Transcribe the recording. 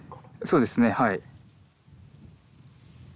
そうですねはい。